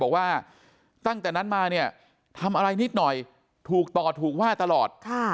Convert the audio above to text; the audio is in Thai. บอกว่าตั้งแต่นั้นมาเนี่ยทำอะไรนิดหน่อยถูกต่อถูกว่าตลอด